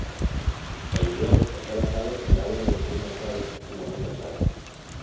El guión está basado en la obra de Antonio Machado y Manuel Machado.